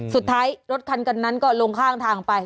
สุดท้ายรถคันกันนั้นก็ลงข้างทางไป